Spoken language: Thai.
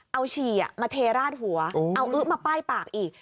เอาฉี่มาเทราดหัวเอาอึ๊มาป้ายปากอีก